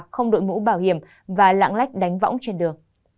không đội mũ bảo hiểm và lạng lách đánh võng trên đường